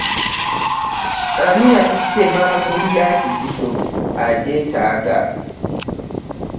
Ani eyatutte manvuuli ya Kizito? Agyetaaga.